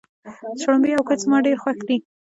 شړومبی او کوچ زما ډېر خوښ دي.